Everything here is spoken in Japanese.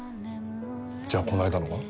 じゃあこの間のは？